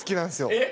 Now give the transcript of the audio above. えっ？